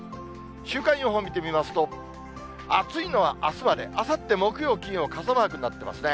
週間予報を見てみますと、暑いのはあすまで、あさって木曜、金曜、傘マークになってますね。